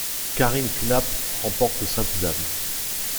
Karin Knapp remporte le simple dames.